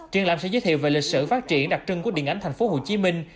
triển lãm sẽ giới thiệu về lịch sử phát triển đặc trưng của điện ảnh thành phố hồ chí minh